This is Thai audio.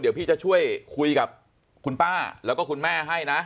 เดี๋ยวพี่จะช่วยคุยกับคุณป้าแล้วก็คุณแม่ให้นะ